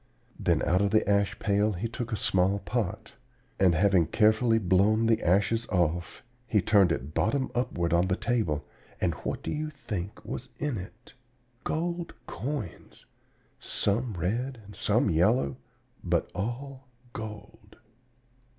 Then out of the ash pail he took a small pot, and having carefully blown the ashes off, he turned it bottom upward on the table. And what do you think was in it? "Gold coins! Some red and some yellow, but all gold!